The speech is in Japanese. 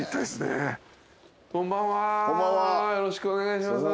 よろしくお願いします。